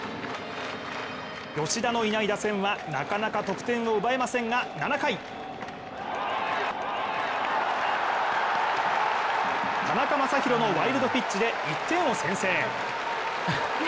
吉田のいない打線はなかなか得点を奪えませんが７回、田中将大のワイルドピッチで１点を先制。